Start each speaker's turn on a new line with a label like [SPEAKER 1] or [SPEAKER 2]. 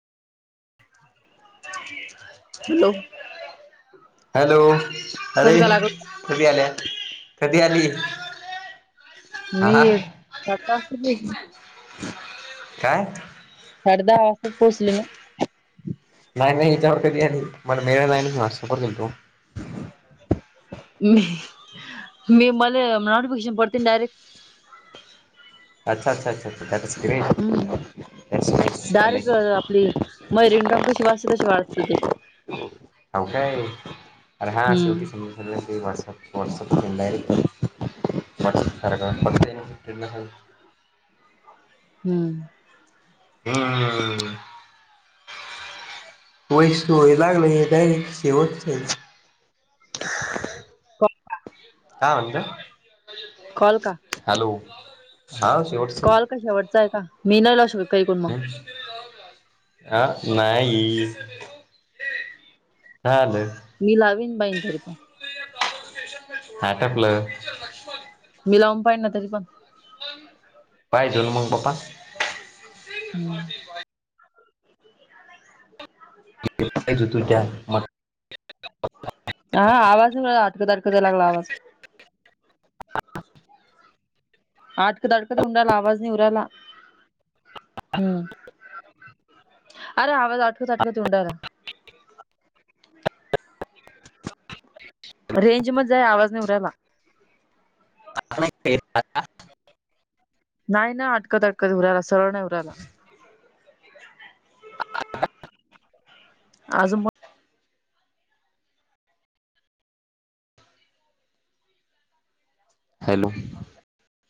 [SPEAKER 1] Hello
[SPEAKER 2] hello अरे,
[SPEAKER 1] कसं काय लागला
[SPEAKER 2] कधी आल्या कधी आली? हा
[SPEAKER 1] मी
[SPEAKER 2] हा
[SPEAKER 1] साडे दहा वाजता पोहोचली
[SPEAKER 2] काय?
[SPEAKER 1] साडे दहा वाजताचं पोचले ना.
[SPEAKER 2] नाय मी ह्यच्यावर बी आली मला मेळ ल नाही मी व्हाट्सअप वर दिलतो.
[SPEAKER 1] नी मले मला नोटिफिकेशन पडते नं डायरेक्ट.
[SPEAKER 2] अच्छ अच्छा अच्छा अच्छा
[SPEAKER 1] हम्म
[SPEAKER 2] कायतर [unintelligible]
[SPEAKER 1] थोडी माई रिंगटोन कशी वाजते तशी वाजत ती
[SPEAKER 2] [unintelligible] हाव काय आणि माये शेवटी
[SPEAKER 1] हम्म
[SPEAKER 2] समज सगळ वॉट्सअप व्हाट्सअप वरून डायरेक्ट व्हाट्सअप करायचा बघते [unintelligible]
[SPEAKER 1] हम्म.
[SPEAKER 2] हम्म व [unintelligible] लागलय हे काय ये ठेवायचेच नाहीत.
[SPEAKER 1] कॉ
[SPEAKER 2] काय म्हणता?
[SPEAKER 1] कॉल का
[SPEAKER 2] हॅलो हा शेवटचं
[SPEAKER 1] कॉल कशा वरचाय का मीनला शो
[SPEAKER 2] हम् हा नाही हॅलो
[SPEAKER 1] मी लाविन बाईन तरी पण
[SPEAKER 2] आटपल.
[SPEAKER 1] मी लावून पाहिना तरी पण
[SPEAKER 2] [unintelligible] पाहीचं नं मंग बाप्पा.
[SPEAKER 1] हम्म.
[SPEAKER 2] त्याज्यातून कॅन मला
[SPEAKER 1] हा आवाज अटक आटकट यायला लागला आवाज. आटकत आटकत येऊन रायला आवाज नाही येऊनं रायला हम्म अर आवाज आटकत आटकत येऊन रायला रेंज मध्ये जाय आवाज नाय येऊ रायला.
[SPEAKER 2] [unintelligible]
[SPEAKER 1] नाय ना अटकत अटकत येऊ रायला सरळ नाय येऊ रायला. आजून मग
[SPEAKER 2] हॅलो.